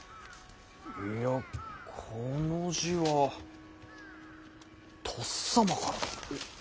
いやこの字はとっさまからだ。